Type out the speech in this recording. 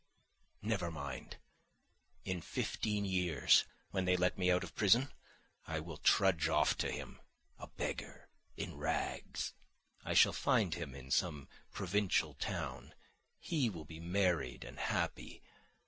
Never mind! In fifteen years when they let me out of prison I will trudge off to him, a beggar, in rags. I shall find him in some provincial town. He will be married and happy.